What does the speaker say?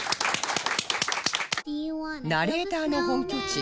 ナレーターの本拠地